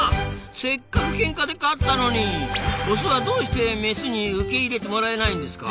せっかくケンカで勝ったのにオスはどうしてメスに受け入れてもらえないんですか？